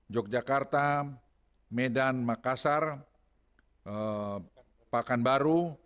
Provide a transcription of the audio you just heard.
yogyakarta medan makassar pakanbaru